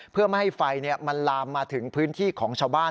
เพื่อไม่ให้ไฟมันลามมาถึงพื้นที่ของชาวบ้าน